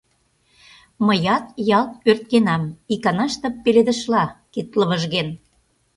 Мыят ялт ӧрткенам, иканаште пеледышла кид лывыжген.